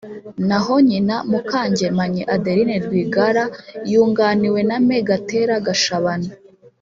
naho nyina Mukangemanyi Adeline Rwigara yunganiwe na Me Gatera Gashabana